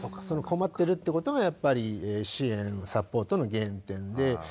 その困ってるってことがやっぱり支援・サポートの原点で。